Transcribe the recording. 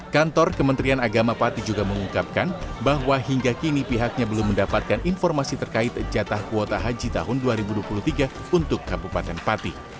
kantor kementerian agama pati juga mengungkapkan bahwa hingga kini pihaknya belum mendapatkan informasi terkait jatah kuota haji tahun dua ribu dua puluh tiga untuk kabupaten pati